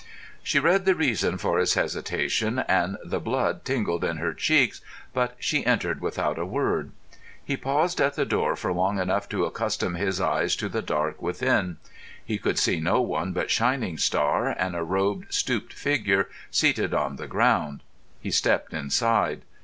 She read the reason for his hesitation, and the blood tingled in her cheeks, but she entered without a word. He paused at the door for long enough to accustom his eyes to the dark within. He could see no one but Shining Star, and a robed, stooped figure seated on the ground. He stepped inside.